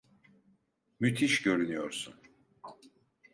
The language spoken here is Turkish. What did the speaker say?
Müthiş görünüyorsun.